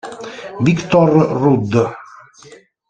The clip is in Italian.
Victor Rudd